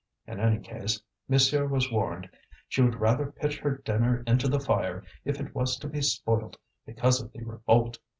In any case, monsieur was warned; she would rather pitch her dinner into the fire if it was to be spoilt because of the revolt.